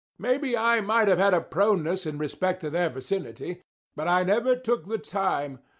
Maybe I might have had a proneness in respect to their vicinity, but I never took the time.